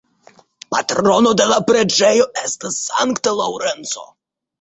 Patrono de la preĝejo estas Sankta Laŭrenco.